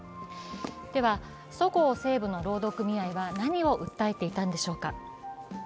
では、そごう・西武の労働組合は何を訴えていたのでしょうか。